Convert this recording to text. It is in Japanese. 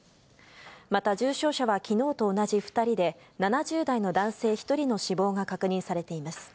また重症者はきのうと同じ２人で、７０代の男性１人の死亡が確認されています。